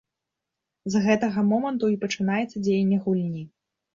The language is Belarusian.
З гэтага моманту і пачынаецца дзеянне гульні.